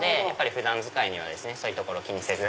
普段使いにはそういうところ気にせず。